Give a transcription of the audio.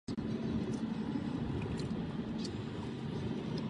Zároveň se začaly projevovat zdravotní obtíže.